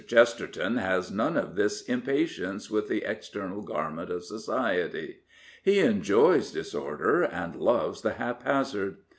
Chesterton has none of this impatience with the external garment of society. He enjoys disorder and loves the haphazard.